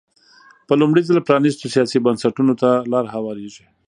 په لومړي ځل پرانېستو سیاسي بنسټونو ته لار هوارېږي.